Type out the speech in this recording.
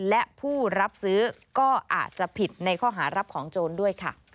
และผู้รับซื้อก็อาจจะผิดในข้อหารับของโจรด้วยค่ะ